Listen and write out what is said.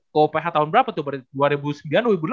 ke uph tahun berapa tuh berarti